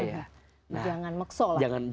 jangan meksa lah